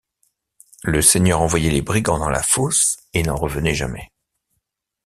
Le seigneur envoyait les brigands dans la fosse et n'en revenaient jamais.